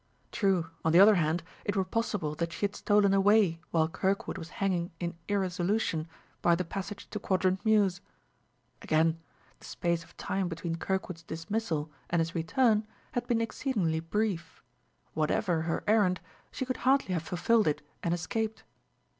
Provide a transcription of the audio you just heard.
True, on the other hand, it were possible that she had stolen away while Kirkwood was hanging in irresolution by the passage to Quadrant Mews. Again, the space of time between Kirkwood's dismissal and his return had been exceedingly brief; whatever her errand, she could hardly have fulfilled it and escaped.